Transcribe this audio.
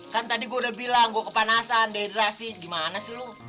kan tadi gua udah bilang gua kepanasan dehidrasi gimana sih lu